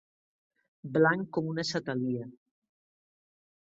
Blanc com una satalia.